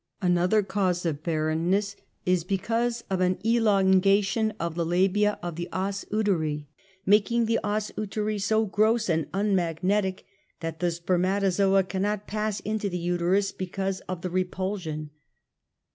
Another cause of barrenness, is because of an 5 66 UNMASKED. elongation of tlie labia of the osnteri, making the osuteri so gross and unmagnetic, that the sperma tozoa cannot pass into the nterus because of the re ]3ulsion.